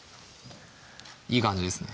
いい感じですね